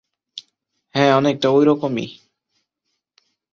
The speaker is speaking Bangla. হ্যাঁ, অনেকটা ওইরকমই।